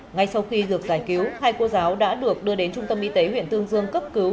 ngay sau khi được giải cứu hai cô giáo đã được đưa đến trung tâm y tế huyện tương dương cấp cứu